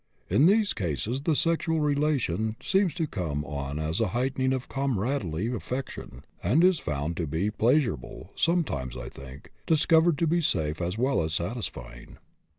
In these cases the sexual relation seems to come on as a heightening of comradely affection, and is found to be pleasurable sometimes, I think, discovered to be safe as well as satisfying.